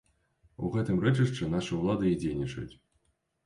У гэтым рэчышчы нашы ўлады і дзейнічаюць.